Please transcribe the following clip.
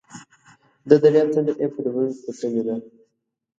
د درياب څنډه يې په ډبرو پوښلې ده.